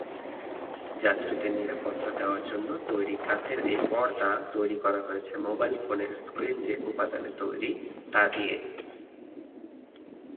যাত্রীদের নিরাপত্তা দেওয়ার জন্য তৈরি কাচের এই 'পর্দা' তৈরি হয়েছে মোবাইল ফোনের স্ক্রিন যে উপাদানে তৈরি, তা দিয়ে।